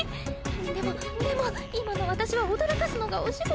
でもでも今の私は驚かすのがお仕事。